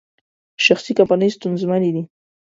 شخصي کمپنۍ ستونزمنې دي.